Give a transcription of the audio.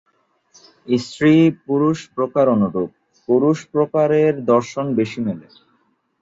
স্ত্রী-পুরুষ প্রকার অনুরূপ, পুরুষ প্রকারের দর্শন বেশি মেলে।